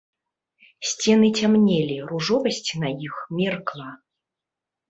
Сцены цямнелі, ружовасць на іх меркла.